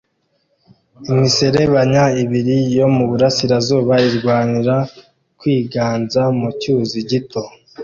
Imiserebanya ibiri yo mu burasirazuba irwanira kwiganza mu cyuzi gito